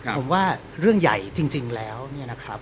ผมว่าเรื่องใหญ่จริงแล้วเนี่ยนะครับ